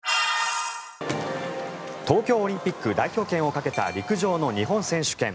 東京オリンピック代表権をかけた陸上の日本選手権。